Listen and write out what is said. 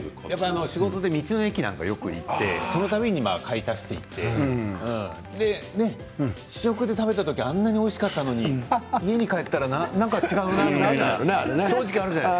仕事で道の駅なんかによく行ってその度に買い足して試食で食べたときはあんなにおいしかったのに家に帰ったらなんか違うなって正直あるじゃない。